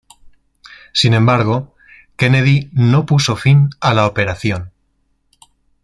Sin embargo, Kennedy no puso fin a la operación.